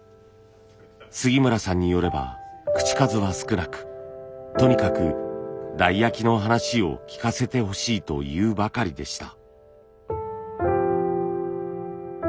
杉村さんによれば口数は少なくとにかく台焼の話を聞かせてほしいと言うばかりでした。